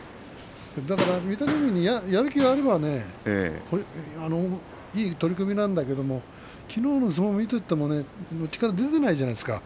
だから御嶽海にやる気があればいい取組なんだけどきのうの相撲を見ていても力が出ていないじゃないですか